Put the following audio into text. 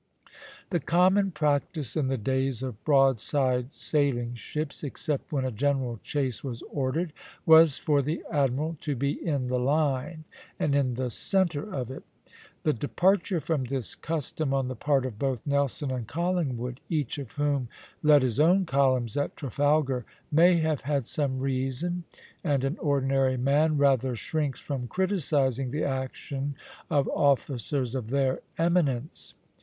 The common practice in the days of broadside sailing ships, except when a general chase was ordered, was for the admiral to be in the line, and in the centre of it. The departure from this custom on the part of both Nelson and Collingwood, each of whom led his own columns at Trafalgar, may have had some reason, and an ordinary man rather shrinks from criticising the action of officers of their eminence.